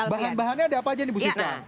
bahan bahannya ada apa aja nih ibu siska